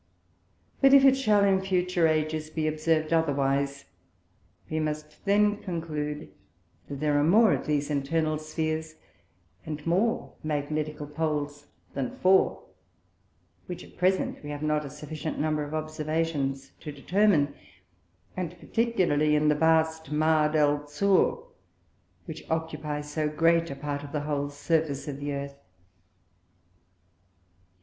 But if it shall in future Ages be observ'd otherwise, we must then conclude that there are more of these Internal Spheres, and more Magnetical Poles than Four, which at present we have not a sufficient number of Observations to determine, and particularly in that vast Mar del Zur, which occupies so great a part of the whole Surface of the Earth.